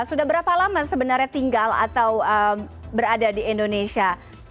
sudah berapa lama sebenarnya tinggal atau berada di indonesia